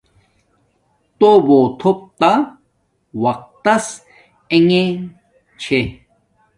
توہ تھوپ تا وقت تس انݣے چھے